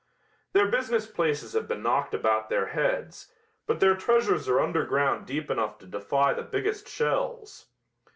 Their business places have been knocked about their heads, but their treasures are underground deep enough to defy the biggest shells.